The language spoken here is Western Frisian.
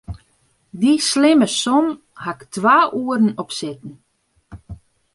Dy slimme som haw ik twa oeren op sitten.